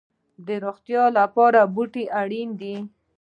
د روغتیا لپاره بوټي اړین دي